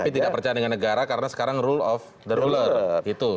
tapi tidak percaya dengan negara karena sekarang rule of the ruler